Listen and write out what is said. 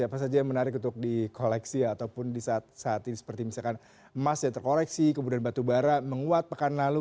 apa saja yang menarik untuk di koleksi ataupun di saat ini seperti misalkan emas yang terkoreksi kemudian batu bara menguat pekan lalu